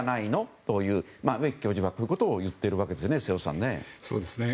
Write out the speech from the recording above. と植木教授はこういうことを言っているわけです、瀬尾さん。